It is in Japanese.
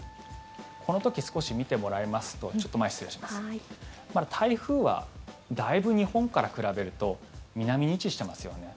この時、少し見てもらいますと台風はだいぶ日本から比べると南に位置してますよね。